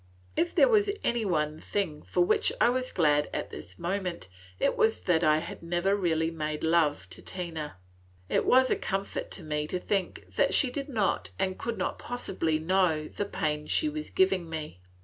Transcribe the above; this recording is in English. If there was any one thing for which I was glad at this moment, it was that I had never really made love to Tina. It was a comfort to me to think that she did not and could not possibly know the pain she was giving me.